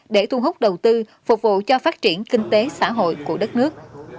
để thu hút đầu tư phục vụ cho phát triển kinh tế xã hội của đất nước